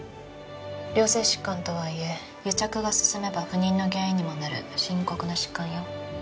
良性疾患とはいえ癒着が進めば不妊の原因にもなる深刻な疾患よ。